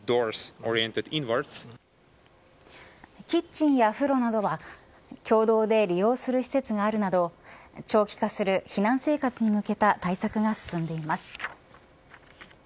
キッチンや風呂などは共同で利用する施設があるなど長期化する避難生活に向けた対策が進んでいます。